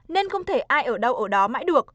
nên không thể ai ở đâu ở đó mãi được